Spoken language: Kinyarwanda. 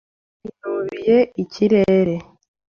yinubiye ikirere.